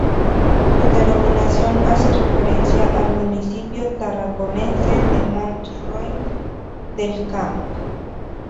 Su denominación hace referencia al municipio tarraconense de Mont-Roig del Camp.